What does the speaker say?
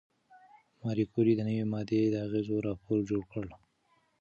ماري کوري د نوې ماده د اغېزو راپور جوړ کړ.